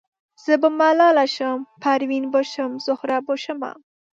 زه به ملاله شم پروین به شم زهره به شمه